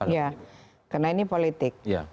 iya karena ini politik